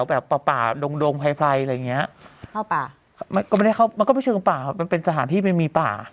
มันก็ไม่ใช่เข้าป่ามันเป็นสถานที่มันมีป่า